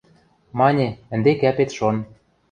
– Мане, ӹнде кӓпет шон...